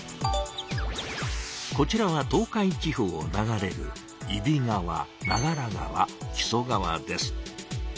こちらは東海地方を流れる揖斐川長良川木曽川です。